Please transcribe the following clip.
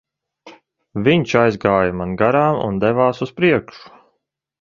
Viņš aizjāja man garām un devās uz priekšu.